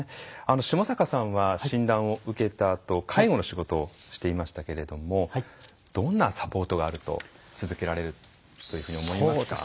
下坂さんは診断を受けたあと介護の仕事をしていましたけれどもどんなサポートがあると続けられると思いますか？